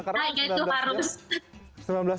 karena itu harus